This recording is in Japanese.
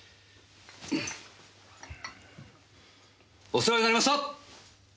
お世話になりました。